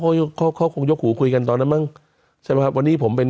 ค่อยเข้าของยกหัวคุยกันตอนนั้นบ้างใช่ไหมค่ะวันนี้ผมเป็น